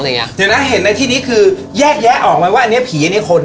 เดี๋ยวนะเห็นที่นี่คือแยกออกมาว่าอันนี้ผีอันนี้คน